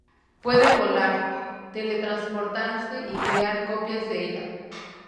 Puede volar, teletransportarse y crear copias de ella.